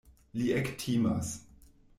Li ektimas.